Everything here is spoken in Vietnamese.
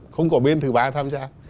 không có bên thứ ba tham gia